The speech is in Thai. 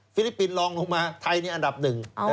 ฟิลิปปินส์ลองลงมาไทยนี่อันดับหนึ่ง